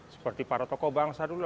seperti para tokoh bangsa dulu